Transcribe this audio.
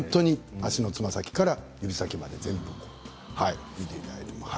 足のつま先から指先まで全部教えていただいて。